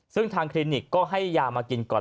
ซึ่งทางคลินิกก็ให้ยามากินก่อน